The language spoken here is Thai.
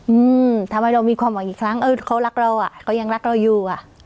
อืมทำให้เรามีความหวังอีกครั้งเออเขารักเราอ่ะเขายังรักเราอยู่อ่ะ